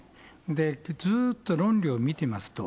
で、ずーっと論理を見てますと、